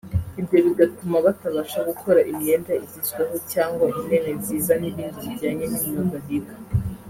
Ibyo bigatuma batabasha gukora imyenda igezweho cyangwa intebe nziza n’ibindi bijyanye n’imyuga biga